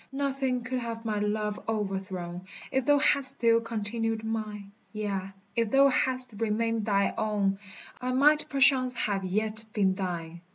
Nothing could have my love o'erthrown, If thou hadst still continued mine; Yea, if thou hadst remained thy own, I might perchance have yet been thine.